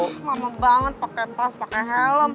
lama banget pake tas pake helm